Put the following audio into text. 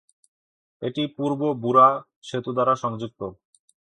এটি পূর্ব বুরা সেতু দ্বারা সংযুক্ত।